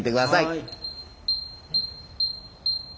はい。